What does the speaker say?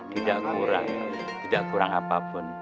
tidak kurang tidak kurang apapun